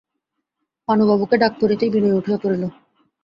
পানুবাবুকে ডাক পড়িতেই বিনয় উঠিয়া পড়িল।